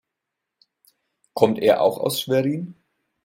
Kommt er auch aus Schwerin?